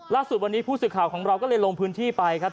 ล่าสุดวันนี้ผู้สื่อข่าวของเราก็เลยลงพื้นที่ไปครับ